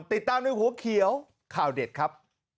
ติดตามในหัวเขียวข่าวเด็ดครับ